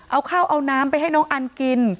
เอาข้าวเอาน้ำไปให้น้องอันกิน